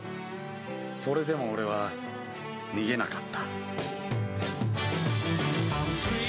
それでも俺は、逃げなかった。